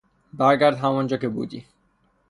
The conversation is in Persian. برگرد همانجا که بودی